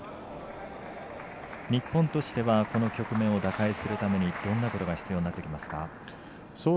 日本としてはこの局面を打開するためにどんなことが必要になってきますか？